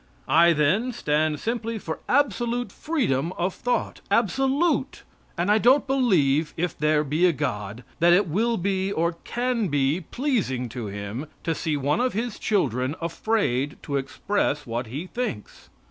I then stand simply for absolute freedom of thought absolute; and I don't believe, if there be a God, that it will be or can be pleasing to Him to see one of His children afraid to express what he thinks.